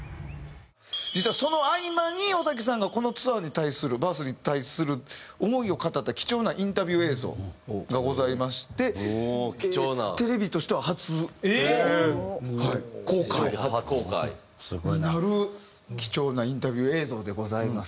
実はその合間に尾崎さんがこのツアーに対する『ＢＩＲＴＨ』に対する思いを語った貴重なインタビュー映像がございましてテレビとしては初公開になる貴重なインタビュー映像でございます。